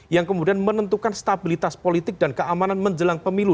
yang kemudian menentukan stabilitas politik dan keamanan menjelang pemilu dua ribu dua puluh